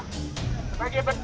itu adalah hukuman sampah